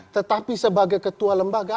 tetapi sebagai ketua lembaga